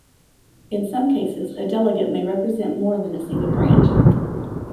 In some cases, a delegate may represent more than a single branch.